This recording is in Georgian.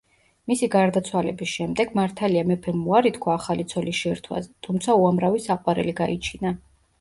მისი გარდაცვალების შემდეგ მართალია მეფემ უარი თქვა ახალი ცოლის შერთვაზე, თუმცა უამრავი საყვარელი გაიჩინა.